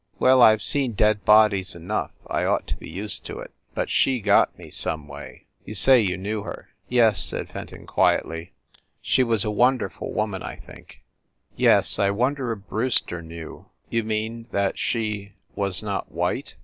Well, I ve seen dead bodies enough; I ought to be used to it. But she got me, some way. You say you knew her?" "Yes," said Fenton quietly. "She was a wonder ful woman, I think." "Yes. I wonder if Brewster knew." "You mean that she was not white?"